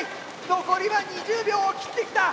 残りは２０秒を切ってきた！